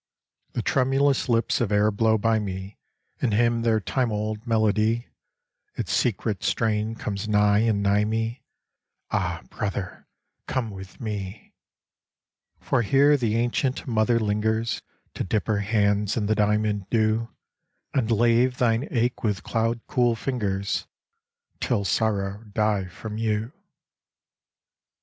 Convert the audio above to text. The tremulous lips of air blow by me And hymn their time old melody : Its secret strain comes nigh and nigh me :' Ah, brother, come with me ;* For here the ancient mother lingers To dip her hands in the diamond dew, And lave thine ache with cloud cool fingers Till sorrow die from you.'